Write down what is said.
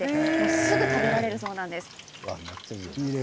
すぐ食べられるそうです。